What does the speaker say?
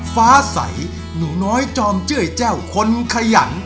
ฟ้าใสหนูน้อยจอมเจ้ยแจ้วคนขยัน